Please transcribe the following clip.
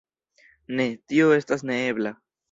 Ne, tio estas neebla.